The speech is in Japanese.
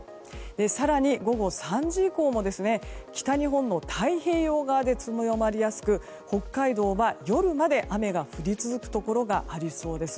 更に、午後３時以降も北日本の太平洋側で強まりやすく北海道は夜まで雨が降り続くところがありそうです。